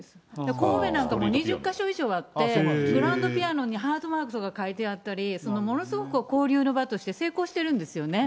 神戸なんかも２０か所以上あって、グランドピアノにハートマークなんか描いてあったり、ものすごく交流の場として成功してるんですよね。